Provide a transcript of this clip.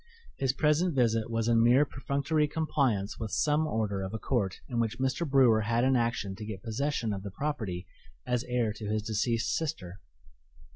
His present visit was in mere perfunctory compliance with some order of a court in which Mr. Brewer had an action to get possession of the property as heir to his deceased sister.